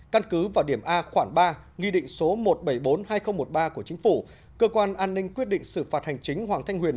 căn cứ vào điểm a khoảng ba nghi định số một trăm bảy mươi bốn hai nghìn một mươi ba của chính phủ cơ quan an ninh quyết định xử phạt hành chính hoàng thanh huyền